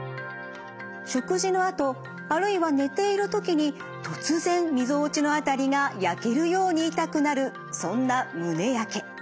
食事のあとあるいは寝ている時に突然みぞおちの辺りが焼けるように痛くなるそんな胸やけ。